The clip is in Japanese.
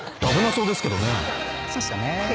そうっすよね。